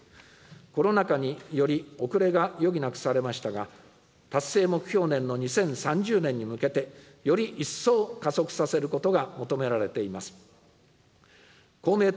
コロナ禍により、遅れが余儀なくされましたが、達成目標年の２０３０年に向けて、より一層加速させることが求められています。